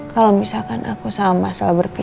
kalau misalkan aku sama masalah berubah